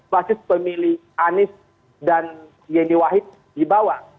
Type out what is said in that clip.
basis pemilih anies dan yeni wahid di bawah